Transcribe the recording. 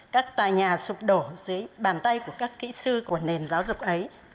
các tòa nhà sụp đổ dưới bàn tay của các kỹ sư của nền giáo dục ấy